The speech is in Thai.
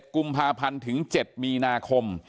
กุมภาพันธ์ถึง๗มีนาคม